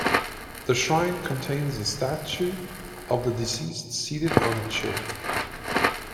The shrine contains a statue of the deceased seated on a chair.